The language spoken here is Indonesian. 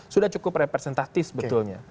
sudah cukup representatif sebetulnya